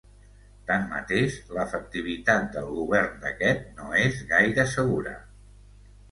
Tanmateix, l'efectivitat del govern d'aquest no és gaire segura.